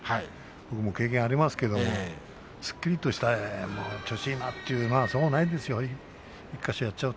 僕も経験がありますけどすっきりとした、調子がいいなというのはそうないですよ